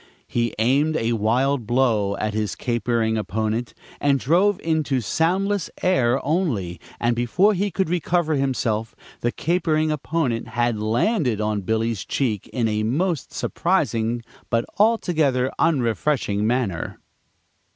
He aimed a wild blow at his capering opponent, and drove into soundless air only, and before he could recover himself the capering opponent had "landed" on Billy's cheek in a most surprising but altogether unrefreshing manner.